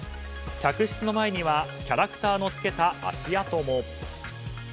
客室の前にはキャラクターのつけた足跡も。